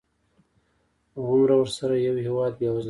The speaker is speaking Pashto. هغومره ورسره یو هېواد بېوزله کېږي.